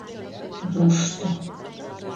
Рушто.